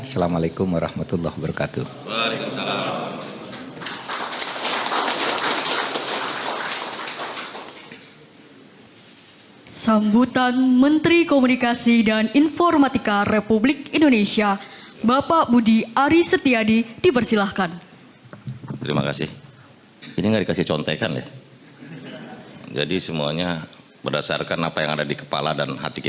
assalamu'alaikum warahmatullahi wabarakatuh